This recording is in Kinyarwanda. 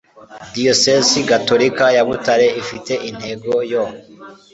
diyosezi gatolika ya butare ifite intego yo